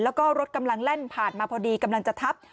แล้วก็รถกำลังแล่นผ่านมาพอดีกำลังจะทับ